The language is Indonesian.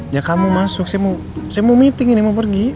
ya kamu masuk saya mau meeting ini mau pergi